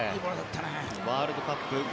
ワールドカップ５